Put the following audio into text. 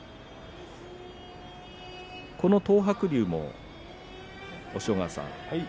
この東白龍も、押尾川さん